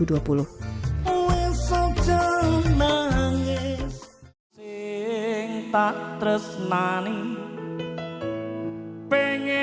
yang rencananya digelar pada hari ini